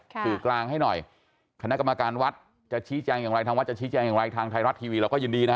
สื่อกลางให้หน่อยคณะกรรมการวัดจะชี้แจงอย่างไรทางวัดจะชี้แจงอย่างไรทางไทยรัฐทีวีเราก็ยินดีนะฮะ